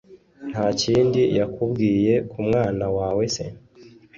ntakindi yakubwiye kumwana wawe se